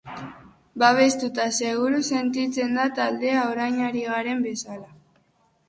Babestuta, seguru sentitzen da taldea orain ari garen bezala.